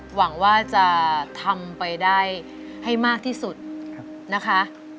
หวังว่าจะทำไปได้ให้มากที่สุดนะคะ